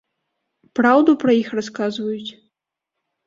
Праўду пра іх расказваюць?